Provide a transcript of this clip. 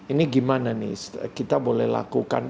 ini gimana nih kita boleh lakukan